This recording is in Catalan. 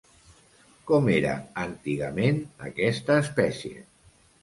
Com era antigament aquesta espècie?